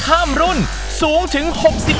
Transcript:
จะผวยผวยผวยพอถึงหน้าหนาว